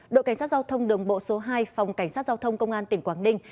đội cảnh sát giao thông đường bộ số hai phòng cảnh sát giao thông công an tỉnh quảng ninh